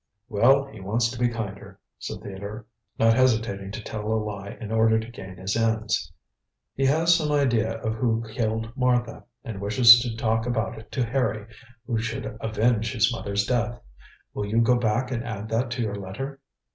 "Well, he wants to be kinder," said Theodore, not hesitating to tell a lie in order to gain his ends. "He has some idea of who killed Martha, and wishes to talk about it to Harry, who should avenge his mother's death. Will you go back and add that to your letter?"